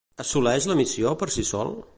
Assoleix la missió per si sol?